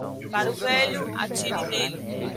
Para o velho, atire nele.